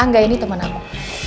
angga ini temen aku